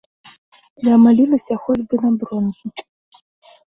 Я малілася хоць бы на бронзу.